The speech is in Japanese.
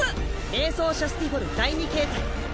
霊槍シャスティフォル第二形態